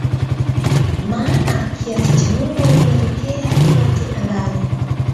Maana kiasi cha nuru inatokea kote angani.